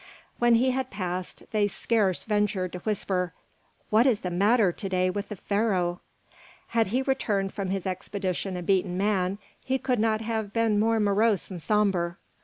When he had passed, they scarce ventured to whisper, "What is the matter to day with the Pharaoh?" Had he returned from his expedition a beaten man, he could not have been more morose and sombre.